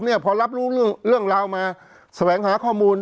พอรับรู้เรื่องราวมาแสวงหาข้อมูล